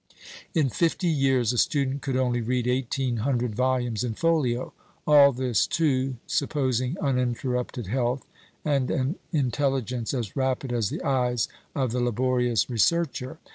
In fifty years a student could only read eighteen hundred volumes in folio. All this, too, supposing uninterrupted health, and an intelligence as rapid as the eyes of the laborious researcher.